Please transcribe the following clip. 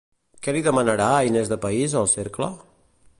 Què li demanarà Eines de País al Cercle?